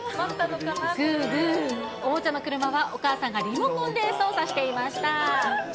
ぶーぶー、おもちゃの車はお母さんがリモコンで操作していました。